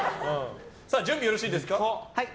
準備よろしいですか。